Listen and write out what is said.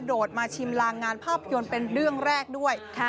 โดดมาชิมลางงานภาพยนตร์เป็นเรื่องแรกด้วย